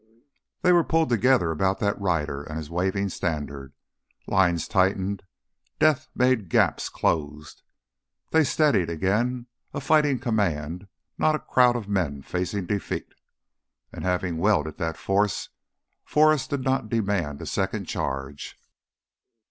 They were pulled together about that rider and his waving standard. Lines tightened, death made gaps closed. They steadied, again a fighting command and not a crowd of men facing defeat. And having welded that force, Forrest did not demand a second charge.